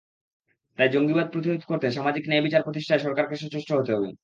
তাই জঙ্গিবাদ প্রতিরোধ করতে সামাজিক ন্যায়বিচার প্রতিষ্ঠায় সরকারকে সচেষ্ট হতে হবে।